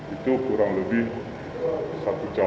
itu kurang lebih satu jam